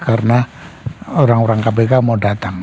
karena orang orang kpk mau datang